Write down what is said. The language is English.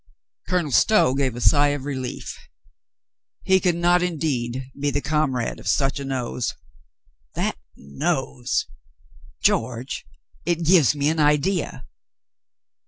Colonel Stow gave a sigh of relief. "He could not, indeed, be the comrade of such a nose. ... That nose ! George, it gives me an idea."